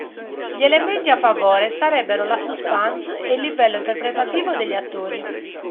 Gli elementi a favore sarebbero la suspense e il livello interpretativo degli attori.